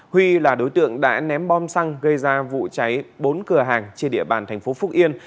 huy là đối tượng đã ném bom xăng gây ra vụ cháy bốn cửa hàng trên địa bàn thành phố phúc yên